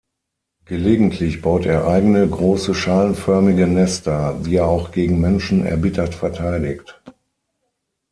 Gelegentlich baut er eigene, große, schalenförmige Nester, die er auch gegen Menschen erbittert verteidigt.